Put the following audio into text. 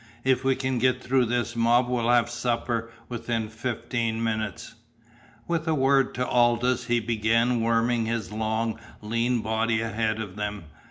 If we can get through this mob we'll have supper within fifteen minutes!" With a word to Aldous he began worming his long, lean body ahead of them.